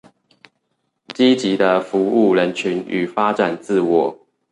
積極的服務人群與發展自我